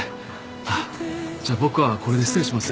あっじゃあ僕はこれで失礼します。